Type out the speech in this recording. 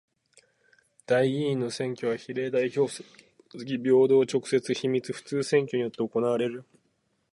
代議員の選挙は比例代表制にもとづき平等、直接、秘密、普通選挙によって行われる。